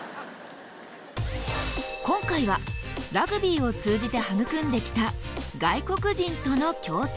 今回はラグビーを通じて育んできた外国人との共生。